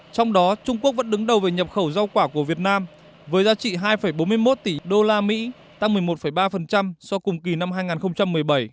trong đó trung quốc vẫn đứng đầu về nhập khẩu rau quả của việt nam với giá trị hai bốn mươi một tỷ usd tăng một mươi một ba so với cùng kỳ năm hai nghìn một mươi bảy